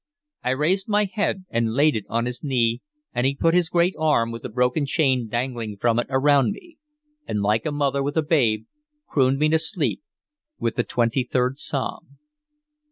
I raised my head and laid it on his knee, and he put his great arm, with the broken chain dangling from it, around me, and, like a mother with a babe, crooned me to sleep with the twenty third psalm.